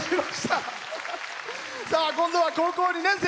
今度は高校２年生。